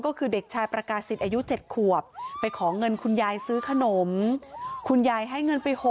ก็คือเด็กชายประกาศิษย์อายุ๗ขวบไปขอเงินคุณยายซื้อขนมคุณยายให้เงินไป๖๐